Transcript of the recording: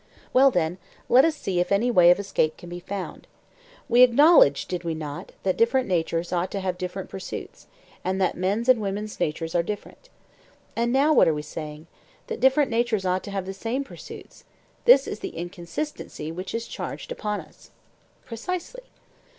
Well then, let us see if any way of escape can be found. We acknowledged—did we not? that different natures ought to have different pursuits, and that men's and women's natures are different. And now what are we saying?—that different natures ought to have the same pursuits,—this is the inconsistency which is charged upon us. Precisely.